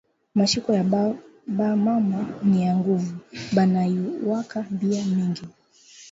Mashikiyo ya ba mama ni ya nguvu, banayuwaka bia mingi